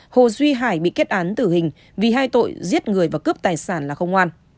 hồ duy hải bị kết án tử hình vì hai tội giết người và cướp tài sản là không an